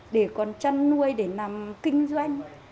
để còn chăn nuôi để làm kinh doanh